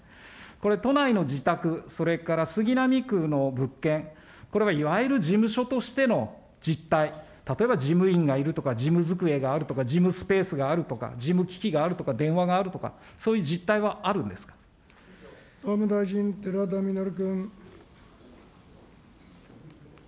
これ、都内の自宅、それから杉並区の物件、これはいわゆる事務所としての実態、例えば、事務員がいるとか、事務机があるとか、事務スペースがあるとか、事務機器があるとか、電話があるとか、総務大臣、寺田稔君。